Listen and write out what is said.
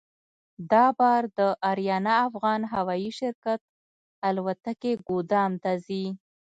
دا بار د اریانا افغان هوایي شرکت الوتکې ګودام ته ځي.